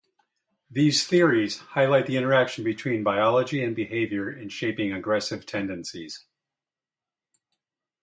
These theories highlight the interaction between biology and behavior in shaping aggressive tendencies.